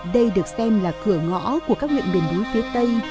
đây được xem là cửa ngõ của các huyện biển đuối phía tây